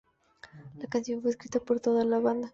La canción fue escrita por toda la banda.